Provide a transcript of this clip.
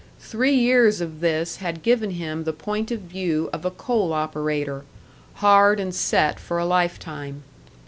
Three years of this had given him the point of view of a coal operator, hard and set for a life time.